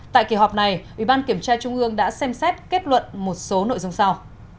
tại kỳ họp này ủy ban kiểm tra trung ương đã xem xét kết luận một số nội dung sau